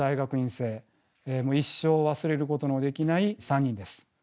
一生忘れることのできない３人です。